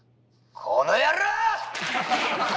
この野郎！